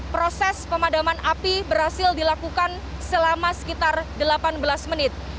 proses pemadaman api berhasil dilakukan selama sekitar delapan belas menit